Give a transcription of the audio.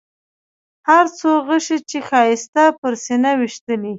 هر څو غشي چې ښایسته پر سینه ویشتلي.